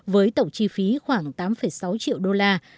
với tổng chi phí khoảng tám sáu triệu đô la